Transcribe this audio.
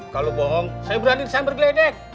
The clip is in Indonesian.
kalau bohong saya berani disamber geledek